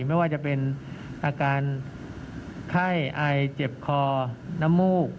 ไม่ว่าจะเป็นอาการไข้อายเจ็บคอน้ำมูก